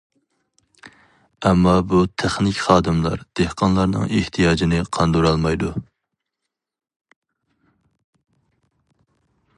ئەمما بۇ تېخنىك خادىملار دېھقانلارنىڭ ئېھتىياجىنى قاندۇرالمايدۇ.